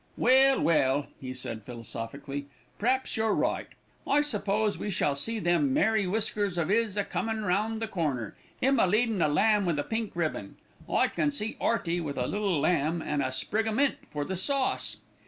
"Well, well!" he said philosophically. "P'raps you're right. I suppose we shall see them merry whiskers of 'is a comin' round the corner, 'im a leadin' a lamb with a pink ribbon. I can see 'Earty with a little lamb, an' a sprig o' mint for the sauce."